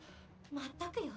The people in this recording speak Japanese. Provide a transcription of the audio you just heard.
まったくよ